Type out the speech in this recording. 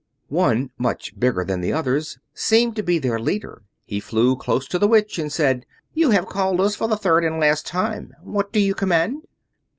One, much bigger than the others, seemed to be their leader. He flew close to the Witch and said, "You have called us for the third and last time. What do you command?"